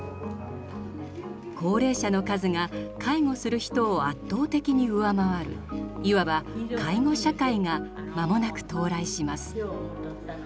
高齢者の数が介護する人を圧倒的に上回るいわば介護社会が間もなく到来します。